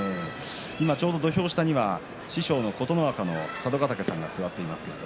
ちょうど土俵下には師匠の琴ノ若の佐渡ヶ嶽さんが座っています。